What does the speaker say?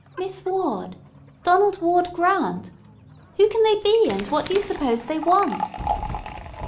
Miss Ward. Donald Ward Grant. Who can they be, and what do you suppose they want?